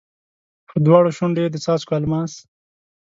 پر دواړو شونډو یې د څاڅکو الماس